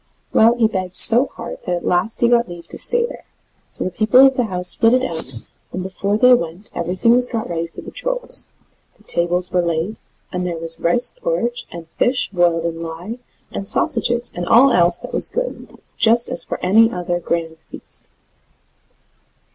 Well, he begged so hard, that at last he got leave to stay there; so the people of the house flitted out, and before they went, everything was got ready for the Trolls; the tables were laid, and there was rice porridge, and fish boiled in lye, and sausages, and all else that was good, just as for any other grand feast.